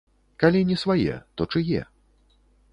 Калі не свае, то чые?